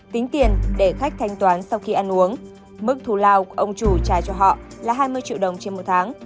tính tiền để khách thanh toán sau khi ăn uống mức thù lao của ông chủ trả cho họ là hai mươi triệu đồng trên một tháng